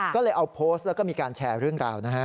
ก็เลยเอาโพสต์แล้วก็มีการแชร์เรื่องราวนะฮะ